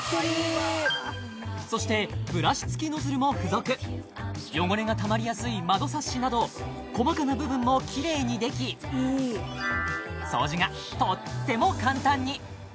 そしてブラシ付きノズルも付属汚れがたまりやすい窓サッシなど細かな部分もキレイにでき掃除がとっても簡単に！